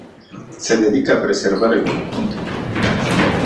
Se dedica a preservar el conjunto.